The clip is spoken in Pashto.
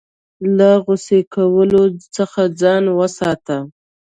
له غوسې کولو څخه ځان وساته .